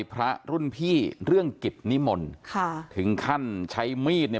พระรุ่นพี่เรื่องกิจนิมนต์ถึงขั้นใช้มีด